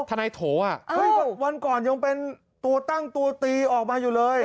ทนายโถวันก่อนยังเป็นตัวตั้งตัวตีออกมาอยู่เลย